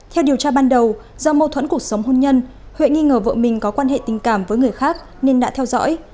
theo điều tra ban đầu do mâu thuẫn cuộc sống hôn nhân huệ nghi ngờ vợ mình có quan hệ tình cảm với người khác nên đã theo dõi